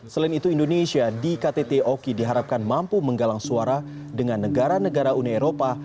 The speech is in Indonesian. selain itu indonesia di ktt oki diharapkan mampu menggalang suara dengan negara negara uni eropa